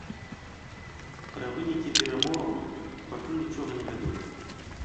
Пра вынікі перамоваў пакуль нічога невядома.